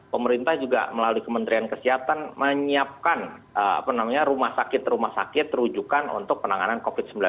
pemerintah juga melalui kementerian kesehatan menyiapkan rumah sakit rumah sakit terujukan untuk penanganan covid sembilan belas